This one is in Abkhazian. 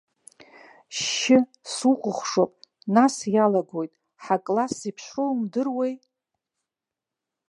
Шьшь, сукәыхшоуп, нас иалагоит, ҳакласс зеиԥшроу умдыруеи.